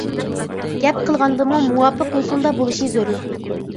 گەپ قىلغاندىمۇ مۇۋاپىق يوسۇندا بولۇشى زۆرۈر.